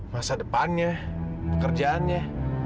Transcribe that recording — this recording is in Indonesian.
masa depannya pekerjaannya